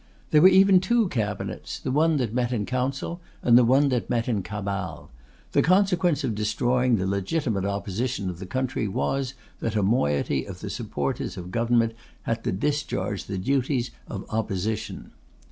There were even two cabinets; the one that met in council, and the one that met in cabal. The consequence of destroying the legitimate Opposition of the country was, that a moiety of the supporters of Government had to discharge the duties of Opposition.